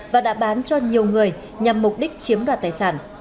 và đã bán cho nhiều người nhằm mục đích chiếm đoạt tài sản